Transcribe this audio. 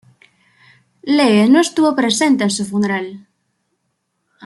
Lee no estuvo presente en su funeral.